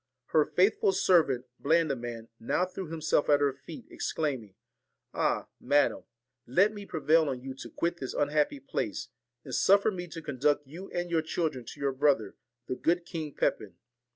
Her faithful servant, Blandiman, now threw him self at her feet, exclaiming, 'Ah! madam, let me prevail on you to quit this unhappy place, and suffer me to conduct you and your children to your brother, the good King Pepin.